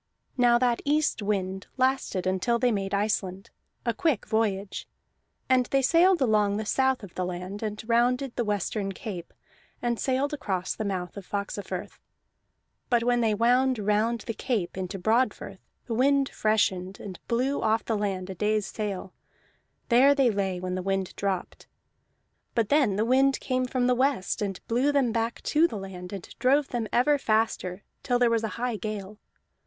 Now that east wind lasted until they made Iceland a quick voyage. And they sailed along the south of the land, and rounded the western cape, and sailed across the mouth of Faxafirth. But when they would round the cape into Broadfirth the wind freshened, and blew them off the land a day's sail; there they lay when the wind dropped. But then the wind came from the west, and blew them back to the land, and drove them ever faster till there was a high gale.